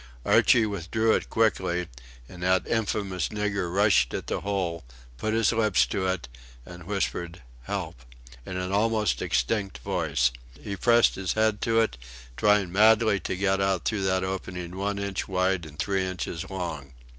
Archie withdrew it quickly, and that infamous nigger rushed at the hole, put his lips to it, and whispered "Help" in an almost extinct voice; he pressed his head to it, trying madly to get out through that opening one inch wide and three inches long.